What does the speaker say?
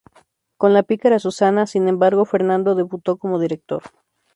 Con "La pícara Susana", sin embargo, Fernando debutó como director.